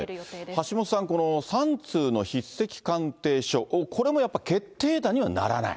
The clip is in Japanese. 橋下さん、この３通の筆跡鑑定書、これもやっぱり決定打にはならない。